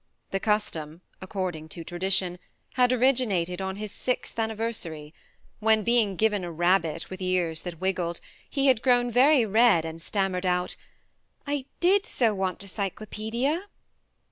The custom (accord ing to tradition) had originated on his sixth anniversary, when, being given a rabbit with ears that wiggled, he had grown very red and stammered out: " I did so want a 'cyclopedia.